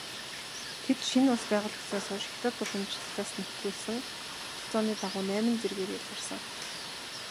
Тэд шинэ улс байгуулагдсанаас хойш хятад уламжлалаас нэвтрүүлсэн тогтолцооны дагуу найман зэргээр ялгарсан.